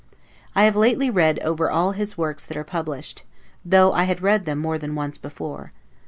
I have lately read over all his works that are published, though I had read them more than once before.